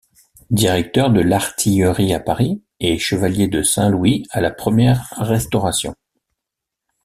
Directeur de l'artillerie à Paris et chevalier de Saint-Louis à la première Restauration.